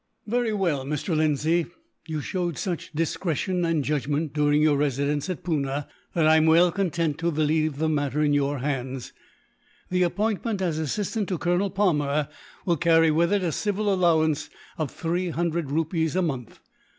"Very well, Mr. Lindsay; you showed such discretion and judgment, during your residence at Poona, that I am well content to leave the matter in your hands. The appointment as assistant to Colonel Palmer will carry with it a civil allowance of three hundred rupees a month.